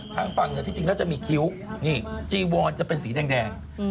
ทางฝั่งเหนือที่จริงแล้วจะมีคิ้วนี่จีวอนจะเป็นสีแดง